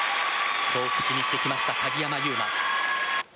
そう口にしてきました、鍵山優真。